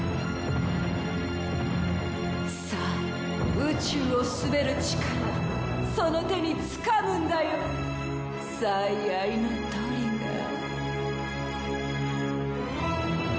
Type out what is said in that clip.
さあ宇宙を統べる力その手につかむんだよ最愛のトリガー。